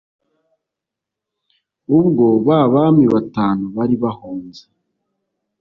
ubwo ba bami batanu bari bahunze